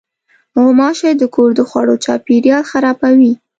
غوماشې د کور د خوړو چاپېریال خرابوي.